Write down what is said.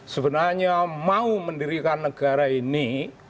sebenarnya mau mendirikan negara ini